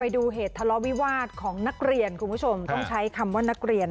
ดูเหตุทะเลาะวิวาสของนักเรียนคุณผู้ชมต้องใช้คำว่านักเรียน